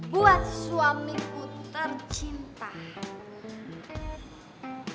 buat suamiku tercinta